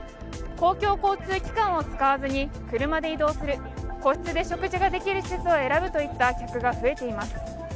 公共交通機関を使わずに車で移動する、個室で食事ができる施設を選ぶといった客が増えています。